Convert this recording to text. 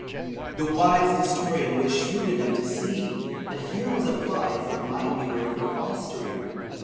The wise Nestorian was shrewd enough to see that here was a prize that might be worth the fostering.